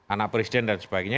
anak presiden dan sebagainya